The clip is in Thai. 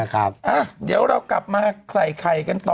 เดี๋ยวเรากลับมาใส่ไข่กันต่อ